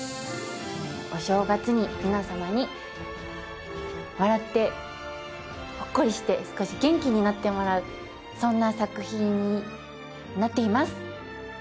お正月に皆様に笑ってほっこりして少し元気になってもらうそんな作品になっています